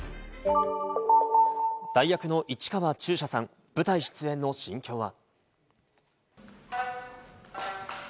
代役の市川中車さん、舞台出演の心境は。